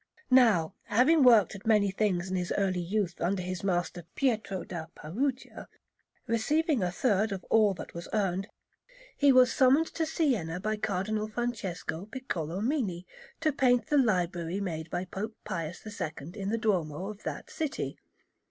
Now, having worked at many things in his early youth under his master Pietro da Perugia, receiving a third of all that was earned, he was summoned to Siena by Cardinal Francesco Piccolomini to paint the library made by Pope Pius II in the Duomo of that city.